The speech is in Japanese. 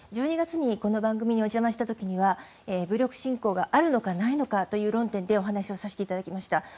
１２月にこの番組にお邪魔した時には武力侵攻があるのかないのかという論点でお話をさせていただきました。